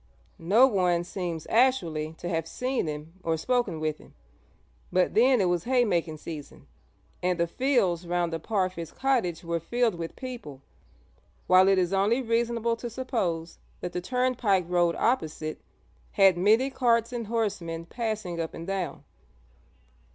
No one seems actually to have seen him or spoken with him, but then it was haymaking season, and the fields round the Parfitts' cottage were filled with people, while it is only reasonable to suppose that the turnpike road opposite had many carts and horsemen passing up and down.